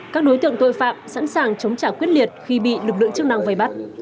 các đối tượng tội phạm sẵn sàng chống trả quyết liệt khi bị lực lượng chức năng vây bắt